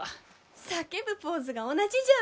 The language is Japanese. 叫ぶポーズが同じじゃん！